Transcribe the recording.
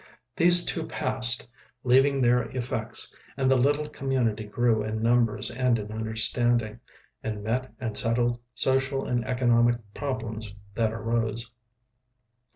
These two passed, leaving their effects, and the little community grew in numbers and in understanding, and met and settled social and economic problems that arose.